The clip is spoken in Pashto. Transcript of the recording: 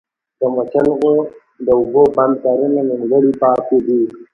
د مچلغو د اوبو بند کارونه نيمګړي پاتې دي